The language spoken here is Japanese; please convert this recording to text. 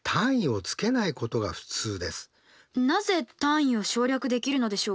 なぜ単位を省略できるのでしょうか？